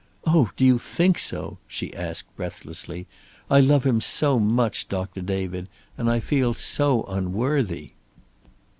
"Oh, do you think so?" she asked, breathlessly. "I love him so much, Doctor David. And I feel so unworthy."